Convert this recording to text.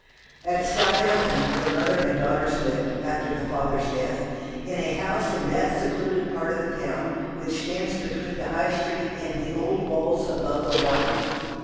At Southampton the mother and daughters lived, after the father's death, in a house in that secluded part of the town which stands between the High Street and the old walls above the "Water."